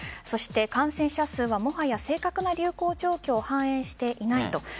そして感染者数はもはや正確な流行状況を反映していないと。